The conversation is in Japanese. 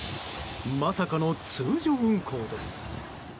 まさかの通常運行です。